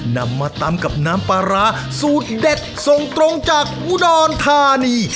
นำมาตำกับน้ำปลาร้าสูตรเด็ดส่งตรงจากอุดรธานี